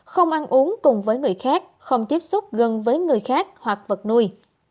không ăn uống cùng với người khác không tiếp xúc gần với người khác hoặc vật nuôi